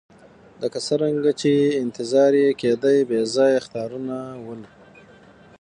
لکه څرنګه چې انتظار یې کېدی بې ځایه اخطارونه وو.